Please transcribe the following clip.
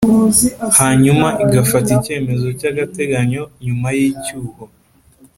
hanyuma igafata icyemezo cy agateganyo nyuma y icyuho